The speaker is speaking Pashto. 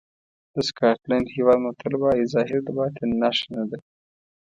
د سکاټلېنډ هېواد متل وایي ظاهر د باطن نښه نه ده.